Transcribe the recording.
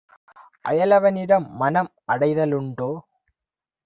அயலவ னிடம்மனம் அடைத லுண்டோ?